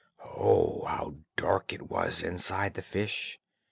Oh how dark it was inside the fish!